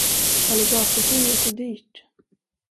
Alligatorskinn är så dyrt.